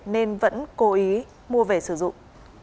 nên vẫn cố ý mua về sử dụng